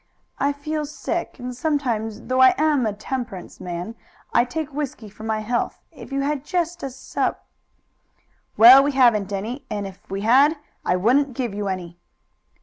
"I feel sick, and sometimes, though I am a temperance man, I take whisky for my health, if you had just a sup " "Well, we haven't any, and if we had I wouldn't give you any."